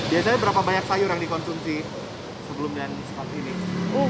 biasanya berapa banyak sayur yang dikonsumsi sebelum dan seperti ini